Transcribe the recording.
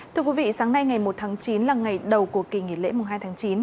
thưa quý vị sáng nay ngày một tháng chín là ngày đầu của kỳ nghỉ lễ hai tháng chín